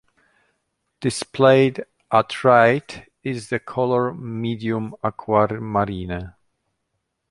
Displayed at right is the color medium aquamarine.